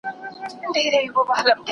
¬ شين د شانه معلومېږي.